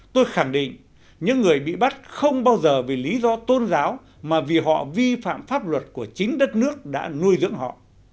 tôi khẳng định những người bị bắt không bao giờ vì lý do tôn giáo mà vì họ vi phạm pháp luật của chính đất nước đã nuôi dưỡng họ